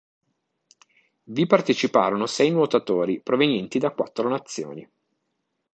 Vi parteciparono sei nuotatori, provenienti da quattro nazioni.